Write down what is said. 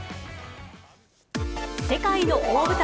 世界の大舞台。